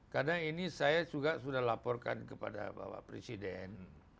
karena ini saya juga sudah laporkan kepada bapak presiden